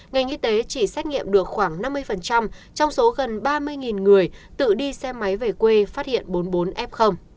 ngành y tế chỉ xét nghiệm được khoảng năm mươi trong số gần ba mươi người tự đi xe máy về quê phát hiện bốn mươi bốn f